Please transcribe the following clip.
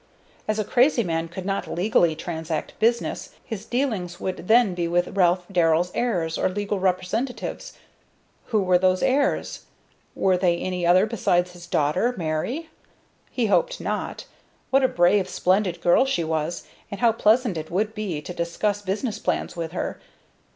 As a crazy man could not legally transact business, his dealings would then be with Ralph Darrell's heirs or legal representatives. Who were those heirs? Were there any other besides this daughter, Mary? He hoped not. What a brave, splendid girl she was, and how pleasant it would be to discuss business plans with her!